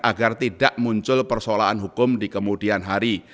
agar tidak muncul persoalan hukum di kemudian hari